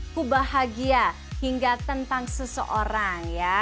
kubahagia hingga tentang seseorang ya